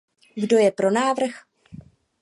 Kdo je pro návrh?